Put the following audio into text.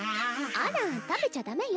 あら食べちゃ駄目よ。